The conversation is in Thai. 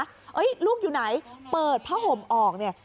ลูกอยู่ไหนเปิดผ้าห่มออกเนี่ย